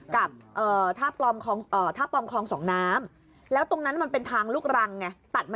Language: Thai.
กับท่าปลอมคลองสองน้ำแล้วตรงนั้นมันเป็นทางลูกรังไง